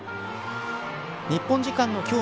日本時間の今日